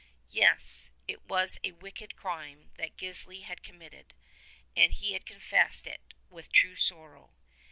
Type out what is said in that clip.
Yes, it was a wicked crime that Gisli had committed, and he had confessed it with true sorrow.